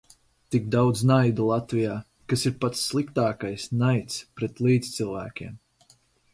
Tik daudz naida Latvijā, kas ir pats sliktākais - naids pret līdzcilvēkiem.